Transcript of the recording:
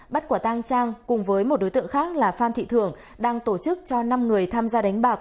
bắt quả tang trang cùng với một đối tượng khác là phan thị thường đang tổ chức cho năm người tham gia đánh bạc